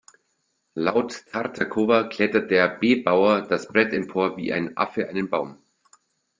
Laut Tartakower klettert der b-Bauer das Brett empor wie ein Affe einen Baum.